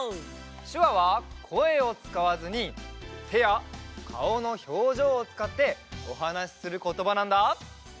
しゅわはこえをつかわずにてやかおのひょうじょうをつかっておはなしすることばなんだ。